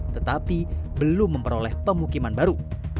tetapi belum memperoleh pemukiman baru